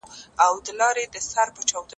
سياستوالو د لږو امکاناتو څخه ګټه وانخيستل.